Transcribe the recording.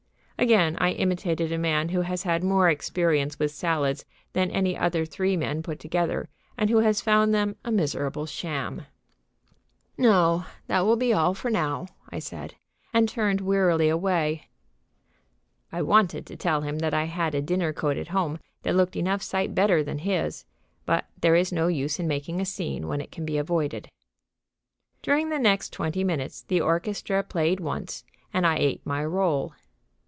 Again I imitated a man who has had more experience with salads than any other three men put together and who has found them a miserable sham. [Illustration: "The waiter wasn't very enthusiastic over my order."] "No; that will be all for now," I said, and turned wearily away. I wanted to tell him that I had a dinner coat at home that looked enough sight better than his, but there is no use in making a scene when it can be avoided. During the next twenty minutes the orchestra played once and I ate my roll.